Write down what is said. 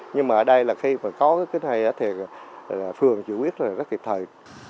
nhưng mà ở đây khi có cái này phường giữ quyết rất kịp thời